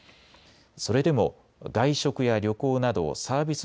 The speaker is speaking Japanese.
それでも外食や旅行などサービス